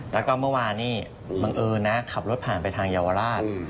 แล้วก็เมื่อวานนี้บังเอิญนะขับรถผ่านไปทางเยาวราช